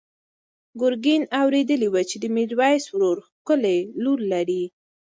ګرګین اورېدلي وو چې د میرویس ورور ښکلې لور لري.